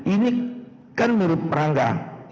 ini kan mirip rangga